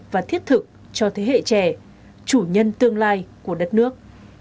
và thiết thực cho thế hệ trẻ chủ nhân tương lai của đất nước